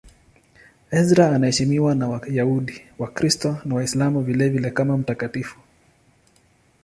Ezra anaheshimiwa na Wayahudi, Wakristo na Waislamu vilevile kama mtakatifu.